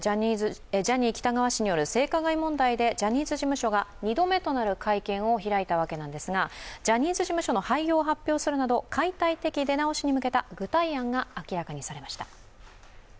ジャニー喜多川氏による性加害問題でジャニーズ事務所が２度目となる会見を開いたわけなんですがジャニーズ事務所の廃業を発表するなど解体的出直しに向けた具体案が明らかにされました。